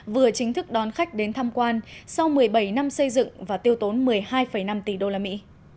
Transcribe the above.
vừa chính thức đón khách đến tham quan sau một mươi bảy năm xây dựng và tiêu tốn một mươi hai năm tỷ đô la mỹ